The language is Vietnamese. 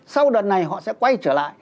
sau đợt này họ sẽ quay trở lại